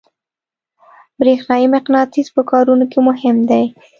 برېښنایي مقناطیس په کارونو کې مهم دی.